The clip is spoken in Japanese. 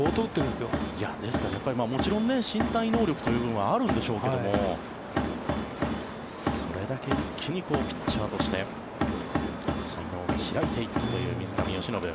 ですからもちろん身体能力というのはあるんでしょうけどもそれだけ一気にピッチャーとして才能が開いていったという水上由伸。